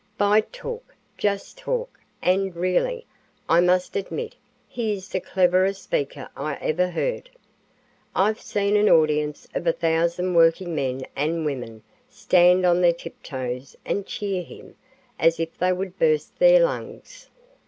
"By talk, just talk, and really, I must admit he is the cleverest speaker I ever heard. I've seen an audience of a thousand working men and women stand on their tiptoes and cheer him as if they would burst their lungs.